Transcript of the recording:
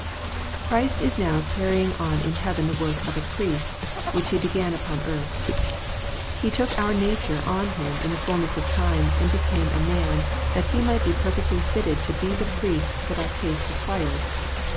Christ is now carrying on in heaven the work of a Priest, which He began upon earth. He took our nature on Him in the fulness of time, and became a man, that He might be perfectly fitted to be the Priest that our case required.